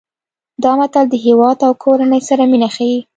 دا متل د هیواد او کورنۍ سره مینه ښيي